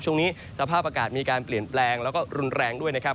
ช่วงนี้สภาพอากาศมีการเปลี่ยนแปลงแล้วก็รุนแรงด้วยนะครับ